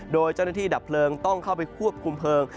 โดยเจ้าหน้าที่ดับเพลิงต้องเข้าไปควบคุมเพลิง